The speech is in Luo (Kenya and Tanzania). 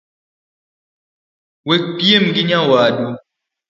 Wekpiem gi nyawadu